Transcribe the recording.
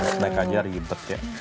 snack aja ribet ya